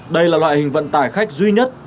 đây là loại hình vận tải khách duy nhất